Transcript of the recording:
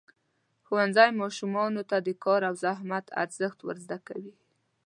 ښوونځی ماشومانو ته د کار او زحمت ارزښت ورزده کوي.